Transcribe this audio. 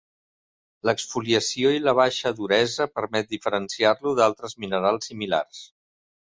L'exfoliació i la baixa duresa permet diferenciar-lo d'altres minerals similars.